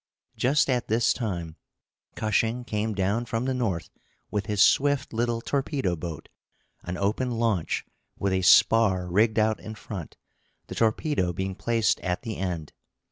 Just at this time Cushing came down from the North with his swift little torpedo boat, an open launch, with a spar rigged out in front, the torpedo being placed at the end.